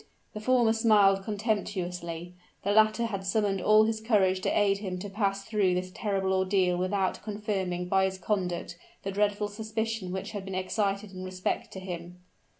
The former smiled contemptuously, the latter had summoned all his courage to aid him to pass through this terrible ordeal without confirming by his conduct the dreadful suspicion which had been excited in respect to him.